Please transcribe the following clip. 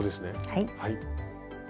はい。